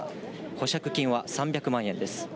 保釈金は３００万円です。